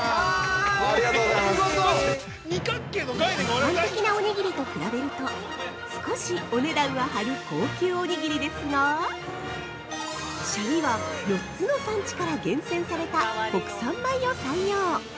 一般的なおにぎりと比べると、少しお値段は張る高級おにぎりですが、シャリは４つの産地から厳選された国産米を採用。